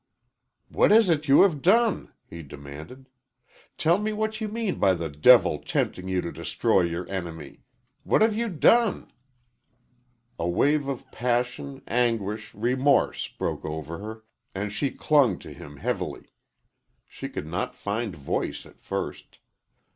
"What is it you have done?" he demanded. "Tell me what you mean by the devil tempting you to destroy your enemy. What have you done?" A wave of passion, anguish, remorse broke over her, and she clung to him heavily. She could not find voice at first.